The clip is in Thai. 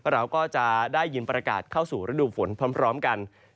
เราก็จะได้ยินประกาศเข้าสู่ฤดูฝนพร้อมกัน